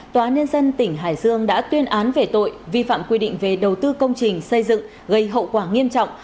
tòa án nhân dân tỉnh hải dương đã tuyên án về tội vi phạm quy định về đầu tư công trình xây dựng gây hậu quả nghiêm trọng